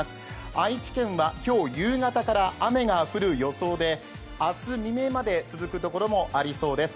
愛知県は今日夕方から雨が降る予想で、明日未明まで続くところもありそうです。